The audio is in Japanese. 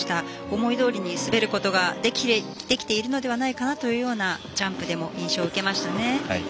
思いどおりに滑ることができているのではないかなというジャンプでも印象を受けましたね。